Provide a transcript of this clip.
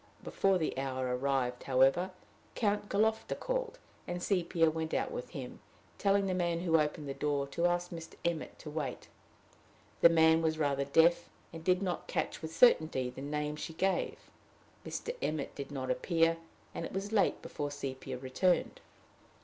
Before the hour arrived, however, Count Galofta called, and Sepia went out with him, telling the man who opened the door to ask Mr. Emmet to wait. The man was rather deaf, and did not catch with certainty the name she gave. Mr. Emmet did not appear, and it was late before Sepia returned.